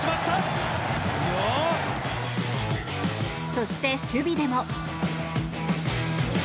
そして守備でも。